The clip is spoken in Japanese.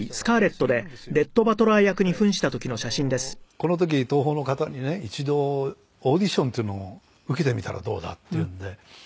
この時東宝の方にね「一度オーディションというのを受けてみたらどうだ？」って言うので。